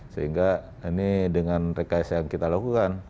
sehingga ini dengan rekayasa yang kita lakukan